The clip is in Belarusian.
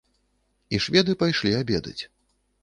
І шведы пайшлі абедаць.